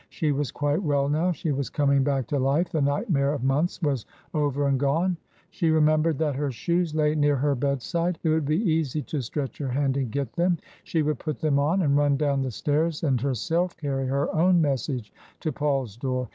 She was quite well now ; she was coming back to life, the nightmare of months was over and gone* She remembered that her shoes lay near her bedside, it would be easy to stretch her hand and get them ; she would put them on and run down the stairs and herself carry her own message to Paul's door.